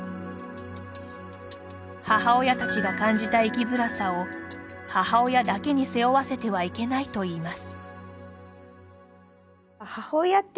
母親たちが感じた生きづらさを母親だけに背負わせてはいけないといいます。